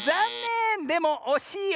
でもおしいよ。